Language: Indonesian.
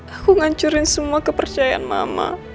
aku ngancurin semua kepercayaan mama